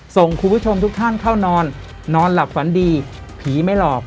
ส่งคุณผู้ชมทุกท่านเข้านอนนอนหลับฝันดีผีไม่หลอก